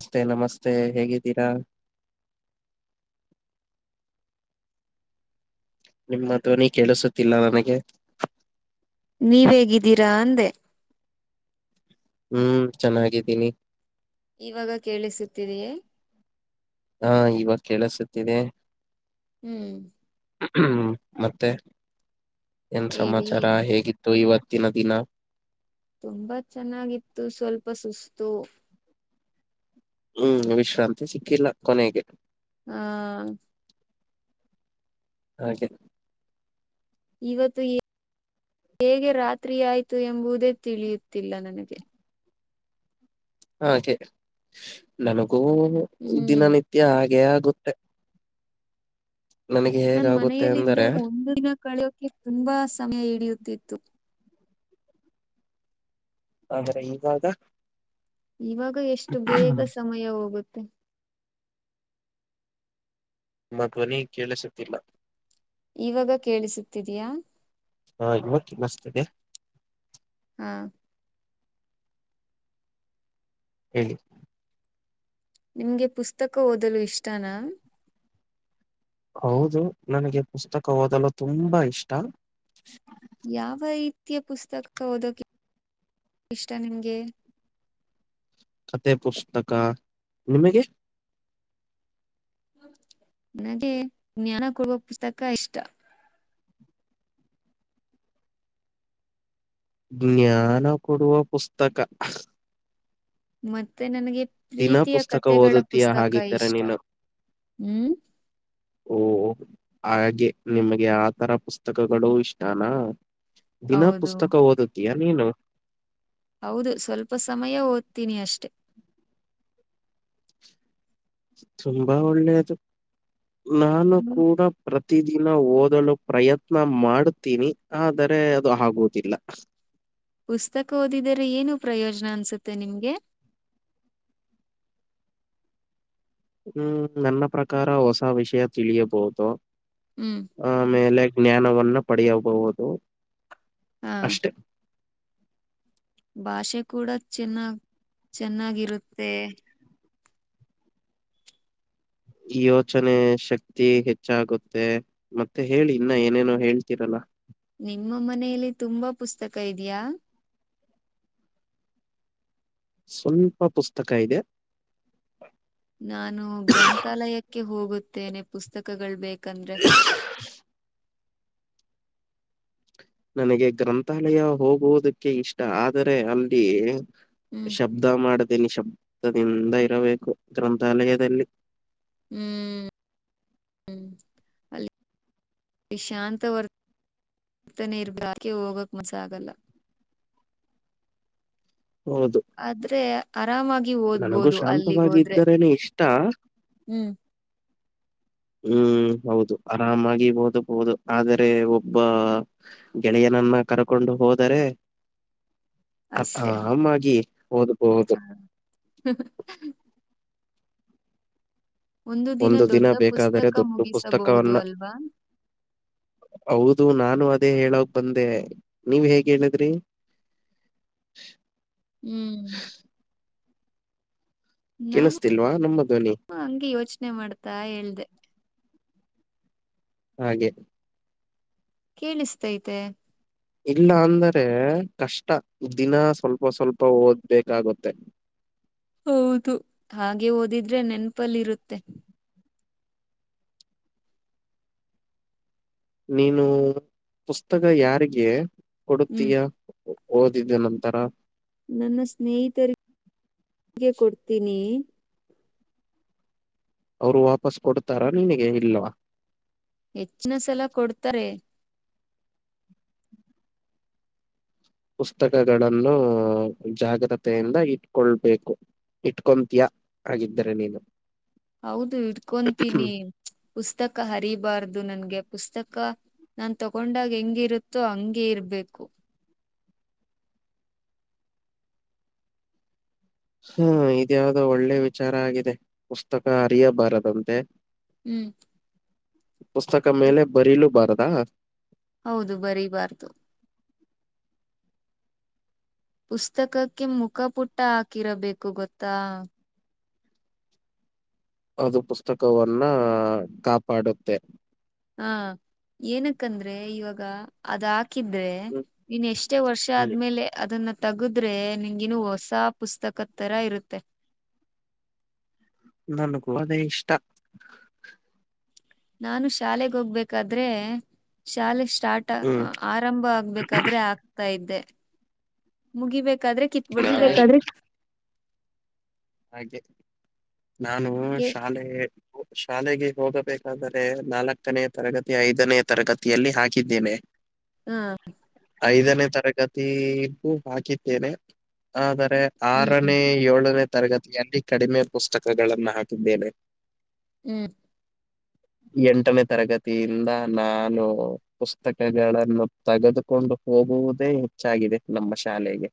ಅಷ್ಟೇ ನಮಸ್ತೆ ಹೇಗಿದ್ದೀರಾ ನಿಮ್ಮ ಮಾತ ನೀ ಕೆೇಳಿಸುತ್ತಿಲ್ಲ ನನಗೆ ನೀವೇಗಿದ್ದೀರಾ ಅಂದೆ ಹ್ಮ್ ಚೆನ್ನಾಗಿದ್ದೀನಿ ಇವಾಗ ಕೇಳಿಸುತ್ತಿದೆಯೇ ಹಾ ಇವಾಗ ಕೇಳಸುತ್ತಿದೆ ಹ್ಮ್ ಹ್ಮ್ ಮತ್ತೆ ಏನ್ ಹೇಳಿ ಸಮಾಚಾರ ಹೇಗಿತ್ತು ಇವತ್ತಿನ ದಿನ ತುಂಬಾ ಚೆನ್ನಾಗಿತ್ತು ಸ್ವಲ್ಪ ಸುಸ್ತು ಹ್ಮ್ ವಿಶ್ರಾಂತಿ ಸಿಕ್ಕಿಲ್ಲ ಕೊನೆಗೆ ಹಾ ಹಾಗೆ ಇವತ್ತು ಈ ಹೇಗೆ ರಾತ್ರಿಯಾಯ್ತು ಎಂಬುದೇ ತಿಳಿಯುತ್ತಿಲ್ಲ ನನಗೆ ಹಾಗೆ ನನಗೂ ಹ್ಮ್ ದಿನನಿತ್ಯ ಹಾಗೆ ಆಗುತ್ತೆ ನನಗೆ ನನ್ ಹೇಗಾಗುತ್ತೆ ಅಂದರೆ ಮನೆಯಲ್ಲಿದ್ದಾಗ ಒಂದು ದಿನ ಕಳೆಯೋಕೆ ತುಂಬಾ ಸಮಯ ಹಿಡಿಯುತ್ತಿತ್ತು ಆದ್ರೆ ಈವಾಗ ಇವಾಗ ಎಷ್ಟು ಬೇಗ ಸಮಯ ಹೋಗುತ್ತೆ ಮಧ್ವನಿ ಕೇಳಿಸುತ್ತಿಲ್ಲ ಇವಾಗ ಕೇಳಿಸುತ್ತಿದಯಾ ಹ ಇ ಮತ್ತ ಮಸ್ತದೆ ಹಾ ಹೇಳಿ ನಿಮ್ಗೆ ಪುಸ್ತಕ ಓದಲು ಇಷ್ಟನಾ ಹೌದು ನನಗೆ ಪುಸ್ತಕ ಓದಲು ತುಂಬಾ ಇಷ್ಟ ಯಾವ ರೀತಿಯ ಪುಸ್ತಕ ಓದಕಿ ಇಷ್ಟ ನಿಮ್ಗೆ ಕತೆೆ ಪುಸ್ತಕ ನಿಮಗೆ ನನಗೆ ಜ್ಞಾನ ಕೊಡುವ ಪುಸ್ತಕ ಇಷ್ಟ ಜ್ಞಾನ ಕೊಡುವ ಪುಸ್ತಕ ಮತ್ತೆ ನನಗೆ ದಿನ ರೀತಿಯ ಪುಸ್ತಕ ಕತೆೆಗಳ ಓದುತ್ತೀಯ ಪುಸ್ತಕ ಹಾಗಿದ್ದರೆ ಇಷ್ಟ ನೀನು ಹ್ಮ ಓಹ ಹಾಗೆ ನಿಮ್ಗೆ ಆತರ ಪುಸ್ತಕಗಳು ಇಷ್ಟನಾ ದಿನ ಹೌದು ಪುಸ್ತಕ ಓದುತ್ತೀಯಾ ನೀನು ಹೌದು ಸ್ವಲ್ಪ ಸಮಯ ಓದ್ತೀನಿ ಅಷ್ಟೆ ತುಂಬಾ ಒಳ್ಳೆಯದು ನಾನು ಹ್ಮ್ ಕೂಡ ಪ್ರ ಪ್ರತಿದಿನ ಓದಲು ಪ್ರಯತ್ನ ಮಾಡ್ತೀನಿ ಆದರೆ ಅದು ಆಗುದಿಲ್ಲ ಪುಸ್ತಕ ಓದಿದರೆ ಏನು ಪ್ರಯೋಜನ ಅನ್ಸುತ್ತೆ ನಿಮ್ಗೆ ಹ್ಮ್ ನನ್ನ ಪ್ರಕಾರ ಹೊಸ ವಿಷಯ ತಿಳಿಯಬಹುದು ಹ್ಮ್ ಆಮೇಲೆ ಜ್ಞಾನವನ್ನ ಪಡೆಯಬಹುದು ಹಾ ಅಷ್ಟೆ ಬಷೆ ಕೂಡ ಚೆನ್ನಾಗ ಚೆನ್ನಾಗಿರುತ್ತೆ ಈ ಯೋಚನೆ ಶಕ್ತಿ ಹೆಚ್ಚಾಗುತ್ತೆ ಮತ್ತೆ ಹೇಳಿ ಇನ್ನ ಏನೇನೋ ಹೇಳ್ತೀರಲ್ಲ ನಿಮ್ಮ ಮನೇೆಯಲ್ಲಿ ತುಂಬಾ ಪುಸ್ತಕ ಇದೆಯಾ ಸ್ವಲ್ಪ ಪುಸ್ತಕ ಇದೆ ನಾನು ಗ್ರಂಥಾಲಯಕ್ಕೆ ಹೋಗುತ್ತೇನೆ ಪುಸ್ತಕಗಳು ಬೇಕ ಕಂದ್ರೆ ನನಗೆ ಗ್ರಂಥಾಲಯ ಹೋಗುವುದಕ್ಕೆ ಇಷ್ಟ ಆದರೆ ಅಲ್ಲಿ ಹ್ಮ್ ಶಬ್ದ ಮಾಡ್ದೀನಿ ಶಬ್ದದಿಂದ ಇರಬೇಕು ಗ್ರಂಥಾಲಯದಲ್ಲಿ ಹ್ಮ್ ಹ್ಮ್ ಅಲ್ಲಿ ಶಾಂತ ವರ್ತ ಭರ್ತನೇ ಇರ್ಬೇಕ ಆಕೆ ಹೋಗಕ್ ಮೊಸ ಆಗಲ್ಲ ಹೌದು. ಆದ್ರೆ ಆರಾಮಾಗಿ ನನಗೂ ಓದ್ಬೋದು ಅಲ್ಲಿಗೆ ಶಾಂತವಾಗಿ ಹೋದ್ರೆ ಇದ್ದರೇನೆ ಇಷ್ಟ. ಹ್ಮ್ ಹ್ಮ್ ಹೌದು ಆರಾಮಾಗಿಬಹದುಬಹುದು ಆದರೆ ಒಬ್ಬ ಗೆಳೆಯನ ನನ್ನ ಕರ್ಕೊಂಡು ಹೋದರೆ ಅ ಅಷ್ಟೆ ಅಮ್ಮಾಗಿ ಓದ್ಬೋದು ಹ್ಮ ಒಂದು ದಿನ ದೊಡ್ಡ ಬೇಕಾದರೆ ಪುಸ್ತಕ ದೊಡ್ಡ ಮುಗಿಸಬಹುದು ಪುಸ್ತಕವನ್ನ ಅಲ್ವಾ ಅದು ನಾನು ಅದೇ ಹೇಳಕ್ ಬಂದೆ ನೀವ್ ಹೇಗ್ ಹೇಳಿದ್ರಿ ಹ್ಮ್ ನಾನು ಕೇಳಿಸ್ತಿಲ್ವಾ ನಮ್ಮ ಧ್ವನಿ? ಹಂಗೆ ಯೋಚನೆ ಮಾಡ್ತಾ ಹೇಳ್ದೆ ಹಾಗೆ ಕೇಳಿಸ್ತೈತೆ ಇಲ್ಲ ಅಂದ್ರೆ ಕಷ್ಟ ದಿನ ಸ್ವಲ್ಪ ಸ್ವಲ್ಪ ಓದ್ಬೇಕಾಗುತ್ತೆ ಹೌದು ಹಾಗೆ ಓದಿದ್ರೆ ನೆನ್ಪಲ್ಲಿ ಇರುತ್ತೆ ನೀನು ಪುಸ್ತಕ ಯಾರಿಗೆ ಹ್ಮ್ ಕೊಡುತ್ತೀಯ ಓದಿದ್ದ ನಂತರ ಹೀಗೆ ಕೊಡ್ತೀನಿ ಅವರು ವಾಪಸ್ ಕೊಡ್ತಾರ ನಿನಗೆ ಇಲ್ವಾ ಹೆಚ್ಚಿನ ಸಲ ಕೊಡ್ತಾರೆ ಪುಸ್ತಕಗಳನ್ನು ಜಾಗ್ರತೆಯಿಂದ ಇಟ್ಕೊಳ್ಬೇಕು ಇಟ್ಕೊತೀಯ ಆಗಿದ್ದರೆ ನೀನು ಹೌದು ಇಡ್ಕೊತೀನಿ ಪುಸ್ತಕ ಹರಿಬಾರ್ದು ನನ್ಗೆ ಪುಸ್ತಕ ನನ್ ತಗೊಂಡಾಗ ಹೆಂಗಿರುತ್ತೋ ಹಂಗಗೆ ಇರ್ಬೇಕು ಹ್ಮ ಇದ್ಯಾವ್ದೋ ಒಳ್ಳೆ ವಿಚಾರ ಆಗಿದೆ ಪುಸ್ತಕ ಅರಿಯಬಾರದಂತೆ ಹ್ಮ್ ಪುಸ್ತಕ ಮೇಲೆ ಬರೀಲೂ ಬಾರದಾ ಹೌದು ಬರಿಬಾರ್ದು ಪುಸ್ತಕಕ್ಕೆ ಮುಖ ಪುಟ್ಟ ಹಾಕಿರಬೇಕು ಗೊತ್ತಾ ಅದು ಪುಸ್ತಕವನ್ನ ಕಾಪಾಡುತ್ತೆ ಹಾ ಏನಕಂದ್ರೆ ಇವಾಗ ಅದ ಹಾಕಿದ್ರೆ ಹ್ಮ್ ನೀನ್ ಎಷ್ಟೇ ವರ್ಷ ಹ್ಮ್ ಆದ್ಮೇಲೆ ಅದನ್ನ ತಗದ್ರೆ ನಿನ್ಗಿನು ಹೊಸ ಪುಸ್ತಕ ತರ ಇರುತ್ತೆ ನನಗೂ ಅದೇ ಇಷ್ಟ ನಾನು ಶಾಲೆಗೆ ಹೋಗ್ಬೇಕಾದ್ರೆ ಶಾಲೆ ಸ್ಟಾರ್ಟ ಹ್ಮ್ ಆರಂಭ ಆಗ್ಬೇಕಾದ್ರೆ ಆಗ್ತಾ ಇದ್ದೆ ಮುಗಿಬೇಕ ಬಾದ್ರೆ ಕಿತ್ ನಾನು ಬಿಿಡ್ತಾ ಇದ್ದೆ ಹಾಗೆ ನಾನು ಶಾಲೆ ಶಾಲೆಗೆ ಹೋಗಬೇಕಾದರೆೆ ನಾಲ್ಕನೇ ತರಗತಿ ಐದನೇ ತರಗತಿಯಲ್ಲಿ ಹಾಕಿದ್ದೇನೆ ಹಾ ಐದನೇ ತರಗತಿೂ ಹಾಕಿದ್ದೇನೆ ಆದ ಹ್ಮ್ ಆರನೇ ಏಳನೇ ತರಗತಿಯಲ್ಲಿ ಕಡಿಮೆ ಪುಸ್ತಕಗಳಗಳನ್ನು ಹಾಕಿದ್ದೇನೆ ಹ್ಮ ಎಂಟನೇ ತರಗತಿಯಿಂದ ನಾನು ಪುಸ್ತಕಗಳನ್ನು ತೆಗೆದುಕೊಂಡು ಹ ಹೋಗುವುದೇ ಹೆಚ್ಚಾಗಿದೆ ನಮ್ಮ ಶಾಲೆಗೆ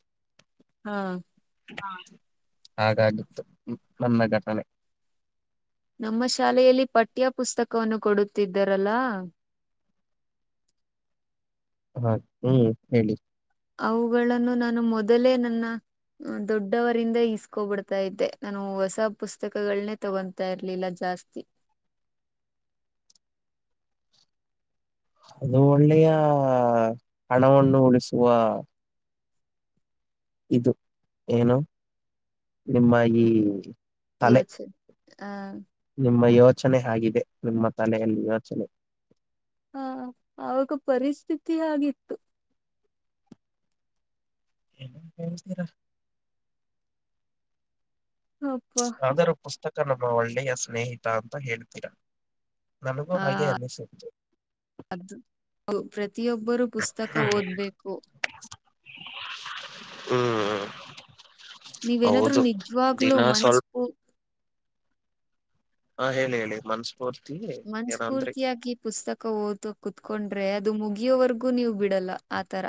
ಹಾ ಹಾಗಾಗಿತ್ತು ನನ್ನ ಘಟನೆ ನಮ್ಮ ಶಾಲೆಯಲ್ಲಿ ಪಠ್ಯ ಪುಸ್ತಕವನ್ನು ಕೊಡುತ್ತಿದ್ದಾರಲ್ಲಾ ಹಾ ಹ್ಮ್ ಹೇಳಿ ಅವುಗಳನ್ನು ನಾನು ಮೊದಲೇ ನನ್ನ ದೊಡ್ಡವರಿಂದ ಇಸ್ಕೊಬಿಡ್ತಾ ಇದ್ದೆ ನಾನು ಹೊಸ ಪುಸ್ತಕಗಳನ್ನನೆ ತಗೊತಾ ಇರ್ಲಿಲ್ಲ ಜಾಸ್ತಿ ಅದು ಒಳ್ಳೆಯ ಹಣವನ್ನು ಉಳಿಸುವ ಇದು ಏನು ನಿಮ್ಮ ಈ ತಲೆ ಯೋಚ್ ಹ ನಿಮ್ಮ ಯೋಚನೆ ಆಗಿದೆ ನಿಮ್ಮ ತಲೆಯಲ್ಲಿ ಯೋಚನೆ ಹಾ ಆಾಗ ಪರಿಸ್ಥಿತಿ ಆಗಿತ್ತು ೀರ ಅಪ್ಪ ಆದರೂ ಪುಸ್ತಕ ನಮ್ಮ ಒಳ್ಳೆಯ ಸ್ನೇಹಿತ ಅಂತ ಹೇಳ್ತೀರ ನನಗೂ ಆ ಹಾಗೆ ಅನ್ನಿಸು ಪ್ರತಿಯೊಬ್ಬರೂ ಪುಸ್ತಕ ಓದ್ಬೇಕು ಹ್ಮ್ ಹ್ಮ್ ನೀವೆೇನಾದರುೂ ನಿಜ್ವಾಾಗಲು ಮನ್ಸ್ ಸ್ವಲ್ಪ ಪು ಹಾ ಹೇಳಿ ಹೇಳಿ ಮನ್ಸು ಮನ್ಸ್ಫೂರ್ತಿಯಾಗಿ ಪುಸ್ತಕ ಓದು ಕುೂತ್ಕೊಂಡ್ರೆ ಅದು ಮುಗಿಯೋವರೆಗೂ ನೀವು ಬಿಡಲ್ಲ ಆತರ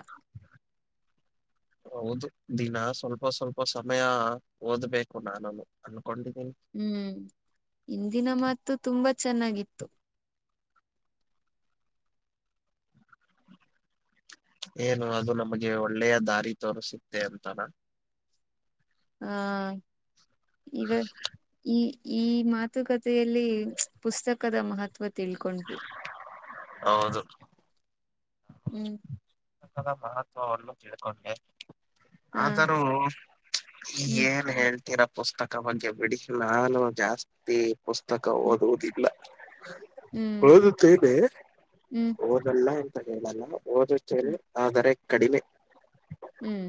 ಹೌದು ದಿನ ಸ್ವಲ್ಪ ಸ್ವಲ್ಪ ಸಮಯ ಓದ್ಬೇಕು ನಾನನ್ನು ಅ ಹ್ಮ್ ಇಂದಿನ ಮಾತು ತುಂಬಾ ಚೆನ್ನಾಗಿತ್ತು ಏನು ಅದು ನಮ್ಗೆ ಒಳ್ಳೆಯ ದಾರಿ ತೋ ಸಿುತ್ತೆ ಅಂತಾರ ಹಾ ಈವ ಈ ಈ ಮಾತುಕತೆ ಪುಸ್ತಕದ ಮಹತ್ವ ತಿಳ್ಕೊಂಡ್ವಿ ಹೌದು ಹ್ಮ್ ದ ಮಹತ್ವವನ್ನುೂ ತಿಳ್ಕೊಂಡೆ ಹಾ ಆದರೂ ಹ್ಮ್ ಏನ್ ಹೇಳ್ತೀರಪ್ಪ ಪುಸ್ತಕ ಬಗ್ಗೆ ಬಿಡಿ ನಾನು ಜಾಸ್ತಿ ಪುಸ್ತಕ ಹ್ಮ್ ಓದುವುದಿಲ್ಲ ಹದುತ್ತ ಇದೆ ಹ್ಮ್ ಓದಲ್ಲ ಎಂತ ಹೇಳಲ್ಲ ಆ ಸರ ಕಡಿಮೆ ಹ್ಮ್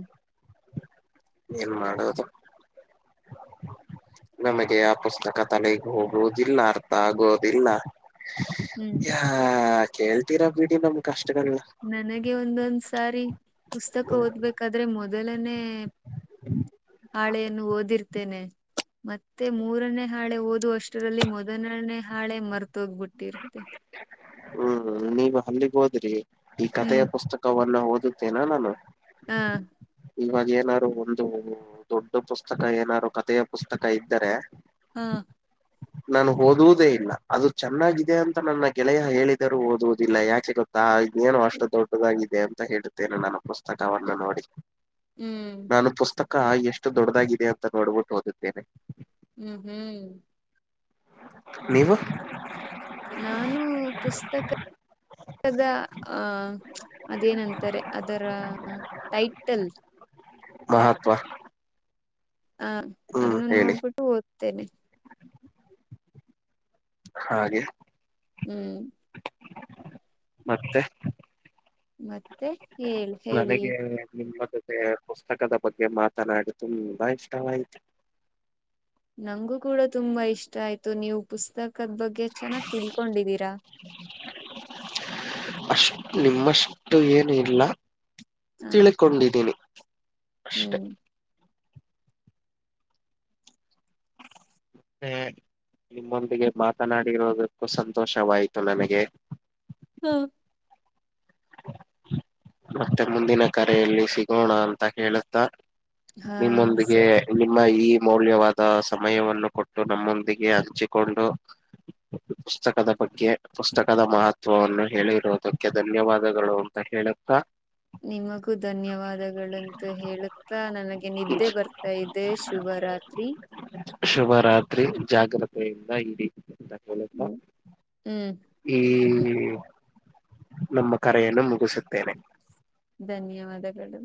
ಏನ್ ಮಾಡೋದು ನಮಗೆ ಆ ಪುಸ್ತಕ ತಲೆಗೆ ಹೋಗುದಿಲ್ಲ ಅರ್ಥ ಆಗೋುದಿಲ್ಲ ಹ್ಮ್ ಆ ಕೇಳ್ತೀರಾ ಬಿೀಡಿ ನಮ ಕಷ್ಟಗಳಲ್ಲ ಗೆ ಒಂದೊಂದ್ ಸಾರಿ ಪುಸ್ತಕ ಓದ್ಬೇಕಾದ್ರೆ ಮೊದಲನೆೇ ಹಾಳೆಯನ್ನು ಓದಿರ್ತ ಮತ್ತೆ ಮೂರನೇ ಹಾಳೆ ಓದ ಅಷ್ಟರಲ್ಲಿ ಮೊದಲನೇ ಹಾಳೆ ಮರ್ ತಗ್ಬಿಟ್ಟಿರುತ್ತೆ ಹ್ಮ್ ನೀವ ಅಲ್ಲಿಗ್ ಹೋದ್ರಿ ಈ ಕಥೆಯ ಹ್ಮ್ ಪುಸ್ತಕವನ್ನ ಓದುತ್ತೇನಾ ನಾನು ಹ ಇವಾಗ ಏನಾರು ಒಂದು ದೊಡ್ಡ ಪುಸ್ತಕ ಏನಾರು ಕಥೆಯ ಪುಸ್ತಕ ಇದ್ದರೆ ಹಾ ನಾನು ಓದುವುದೇ ಇಲ್ಲ ಅದು ಚೆನ್ನಾಗ ದೆ ಅಂತ ನನ್ನ ಗೆಳೆಯ ಹೇಳಿದರೂ ಓದುವುದಿಲ್ಲ ಯಾಕೆ ಗೊತ್ತಾ ಏನುೋ ಅಷ್ಟು ದೊಡ್ಡದ ಇ ಅಂತ ಹೇಳುತ್ತೇನೆ ನನ್ನ ಪುಸ್ತಕವನ್ನು ನೋಡಿ ಹ್ಮ್ ನಾನು ಪುಸ್ತಕ ಅಕ್ಕ ಎಷ್ಟು ದೊಡ್ಡದಾಗಿದೆ ಅಂತ ನೋಡ್ಬಿಟ್ಟು ಓದುತ್ತೇನೆ ಹ್ಮ್ ಹ್ಮ್ ನೀವು ನಾನು ಪುಸ್ತಕದ ಅ ಅದೇನಂತಾರೆ ಅದರ ಟೈಟಲ್ ಮಹತ್ವ ಹ ಹ್ಮ್ ಅದನ್ನು ಹೇಳಿ ನೋಡ್ಬಿಟ್ಟು ಓದ್ತೇನೆ ಹಾಗೆ ಹ್ಮ್ ಮತ್ತೆ ಮತ್ತೆ ಹೇಳಳ್ ಹೇಳಿ ನನಗೆ ನಿಮ್ಮ ಜೊತೆ ಪುಸ್ತಕದ ಬಗ್ಗೆ ಮಾತನಾಡಿ ತುಂಬಾ ಇಷ್ಟವಾಯತು ನಂಗು ಕೂಡ ತುಂಬಾ ಇಷ್ಟ ಆಯ್ತು ನೀವು ಪುಸ್ತಕದ ಬಗ್ಗೆ ಚೆನ್ನಾಗ್ ತಿಳ್ಕೊಂಡಿದ್ದೀರಾ ಅಷ್ಟ ನಿಮ್ಮಷ್ಟು ಏನ ಇಲ್ಲ ಹ ತಿಳ್ಕೊಂಡಿದ್ದೀನಿ ಅಷ್ಟೆ ಹ್ಮ್ ಹ್ಮ್ ನಿಮ್ಮೊಂದಿಗೆ ಮಾತನಾಡಿರೋದಕ್ಕೂ ಸಂತೋಷವಾಯತು ನನಗೆ ಹ್ಮ್ ಮತ್ತೆ ಮುಂದಿನ ಕರೆಯಲ್ಲಿ ಸಿಗೋಣ ಅಂತ ಹೇಳುತ್ತ ಹಾ ನಿಮ್ಮೊಂದಿಗೆ ಸರಿ ನಿಮ್ಮ ಈ ಮೌಲ್ಯವಾದ ಸಮಯವನ್ನು ಕೊಟ್ಟು ನಮ್ಮೊಂದಿಗೆ ಹಂಚಿಕೊಂಡು ಪುಸ್ತಕದ ಬಗ್ಗೆ ಪುಸ್ತಕದ ಮಹತ್ವವನ್ನು ಹೇಳಿರುವುದಕ್ಕೆ ಧನ್ಯವಾದಗಳು ಅಂತ ಹೇಳ ನಿಮಗೂ ಧನ್ಯವಾದಗಳಂತ ಹೇಳುತ್ತಾ ನನಗೆ ನಿದ್ದೆ ಬರ್ತಾ ಇದೆ ಶುಭ ನವರಾತ್ರಿ ಶುಭ ರಾತ್ರಿ ಜಾಗ್ರತೆಯಿಂದ ಇಡೀ ಹ್ಮ್ ನಮ್ಮ ಕರೆಯನ್ನು ಮುಗಿಸುತ್ತೇನೆ ಧನ್ಯವಾದಗಳು